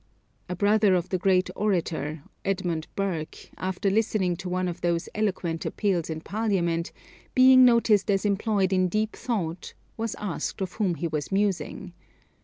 A brother of the great orator, Edmund Burke, after listening to one of those eloquent appeals in Parliament, being noticed as employed in deep thought, was asked of whom he was musing.